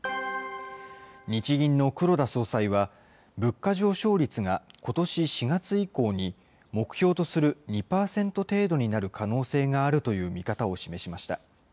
日銀の黒田総裁は、物価上昇率がことし４月以降に、目標とする２％程度になる可能性があるという見方を示しました。